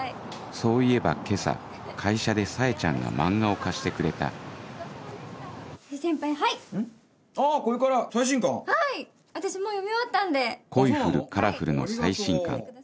そういえば今朝会社でサエちゃんが漫画を貸してくれた『恋降るカラフル』の最新刊